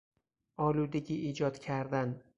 آلودگی ایجاد کردن